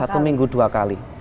satu minggu dua kali